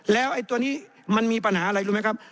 แล้วไอ้ตัวนี้มันมีปัญหาอะไรรู้ไหมครับ